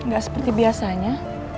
gak seperti biasanya